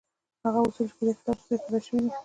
هغه اصول چې په دې کتاب کې ځای پر ځای شوي دي.